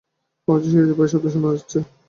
ঐ-যে সিঁড়িতে পায়ের শব্দ শোনা যাচ্ছে।